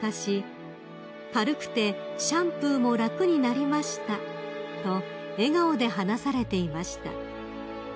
「軽くてシャンプーも楽になりました」と笑顔で話されていました］